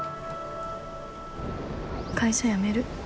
会社辞める。